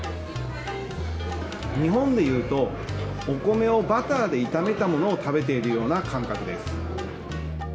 日本でいうと、お米をバターで炒めたものを食べているような感覚です。